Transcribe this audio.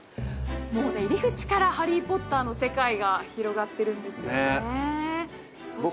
もう入り口からハリー・ポッターの世界が広がってるんですよね